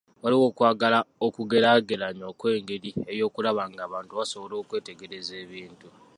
Wali okwagala okugeraageranya okw’engeri ey'okulaba ng’abaana basobola okwetegereza ebintu.